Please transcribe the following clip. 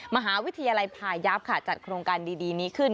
มหาวิทยาลัยพายับค่ะจัดโครงการดีนี้ขึ้น